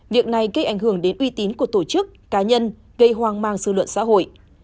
việc này gây ảnh hưởng đến uy tín của tổ chức cá nhân gây hoang mang dư luận xã hội